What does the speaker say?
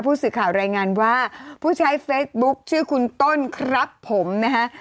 ผู้สื่อข่าวรายงานว่าผู้ใช้เฟซบุ๊คชื่อคุณต้นครับผมนะฮะ